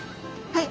はい。